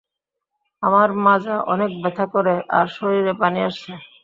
আমার মাজা অনেক ব্যথা করে আর শরীরে পানি আসছে।